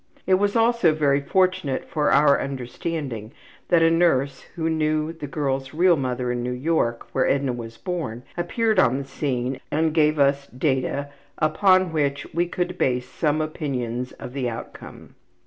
It was also very fortunate for our understanding that a nurse who knew the girl's real mother in New York, where Edna was born, appeared on the scene and gave us data upon which we could base some opinions of the outcome.